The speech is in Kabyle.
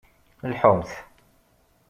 Lḥumt.